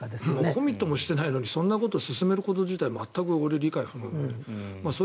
コミットもしてないのにそんなことを進めること事態理解不能です。